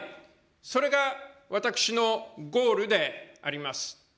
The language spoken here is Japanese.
それが私のゴールであります。